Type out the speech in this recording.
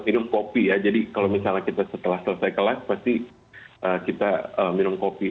minum kopi ya jadi kalau misalnya kita setelah selesai kelas pasti kita minum kopi